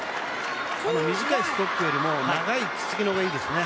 短いストップよりも長いツッツキの方がいいですね。